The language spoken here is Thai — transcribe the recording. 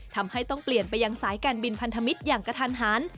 ทำให้ต้องเปลี่ยนไปยังสายการบินพันธมิตรอย่างกระทันหัน